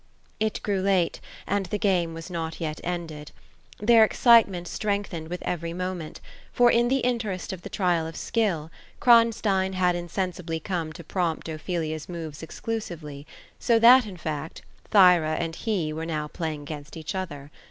It grew late, and the game was not yet ended. Their excitement strengthened with every moment; for in the interest of the trial of skill, Kronstein had insensibly come to prompt Ophelia's moves exclusively, so that, in fact, Thyra and he were now playing against each other.